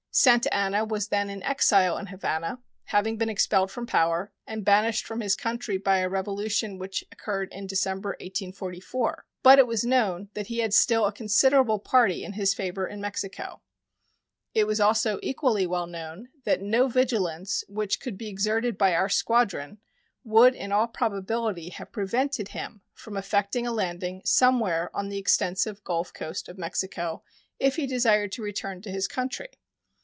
Santa Anna was then in exile in Havana, having been expelled from power and banished from his country by a revolution which occurred in December, 1844; but it was known that he had still a considerable party in his favor in Mexico. It was also equally well known that no vigilance which could be exerted by our squadron would in all probability have prevented him from effecting a landing somewhere on the extensive Gulf coast of Mexico if he desired to return to his country.